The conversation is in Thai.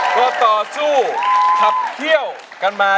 พอต่อสู้ขับเที่ยวกันมา